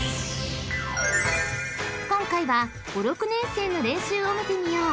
［今回は５・６年生の練習を見てみよう］